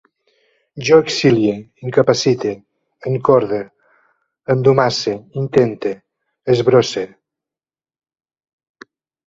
Jo exilie, incapacite, encorde, endomasse, intente, esbrosse